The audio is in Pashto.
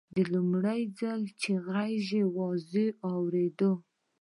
دا لومړی ځل و چې غږ یې واضح واورېد